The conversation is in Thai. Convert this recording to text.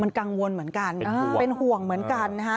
มันกังวลเหมือนกันเป็นห่วงเหมือนกันนะฮะ